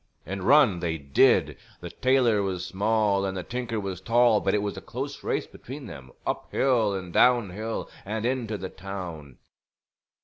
And run they did! The tailor was small and the tinker was tall, but it was a close race between them, up hill and down hill, and into the town.